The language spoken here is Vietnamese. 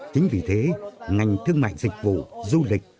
chính vì thế ngành thương mại dịch vụ du lịch